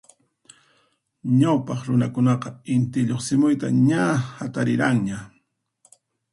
Ñawpaq runakunaqa Inti lluqsimuyta ña hatariranña.